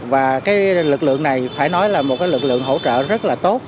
và cái lực lượng này phải nói là một lực lượng hỗ trợ rất là tốt